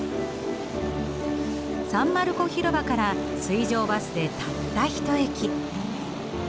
サン・マルコ広場から水上バスでたった一駅。